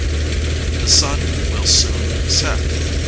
] The sun will soon set.